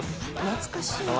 懐かしいな。